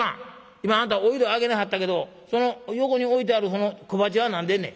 今あんたおいど上げなはったけどその横に置いてあるその小鉢は何でんねん？」。